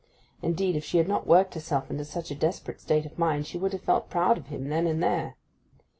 Indeed, if she had not worked herself into such a desperate state of mind she would have felt proud of him then and there.